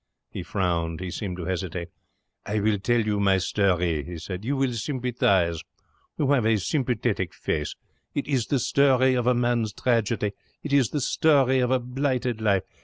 He frowned. He seemed to hesitate. 'I will tell you my story,' he said. 'You will sympathize. You have a sympathetic face. It is the story of a man's tragedy. It is the story of a blighted life.